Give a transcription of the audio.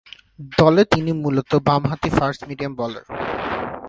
দলে তিনি মূলতঃ বামহাতি ফাস্ট-মিডিয়াম বোলিং করতেন।